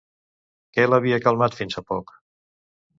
Què l'havia calmat fins fa poc?